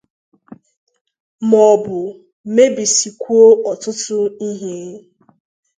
maọbụ mebisikwuo ọtụtụ ihe.